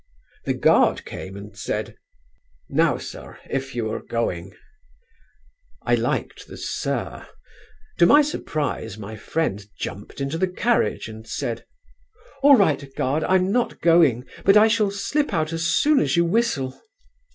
"The guard came and said: "'Now, sir, if you are going.' "I liked the 'Sir.' To my surprise my friend jumped into the carriage and said: "'All right, guard, I'm not going, but I shall slip out as soon as you whistle.'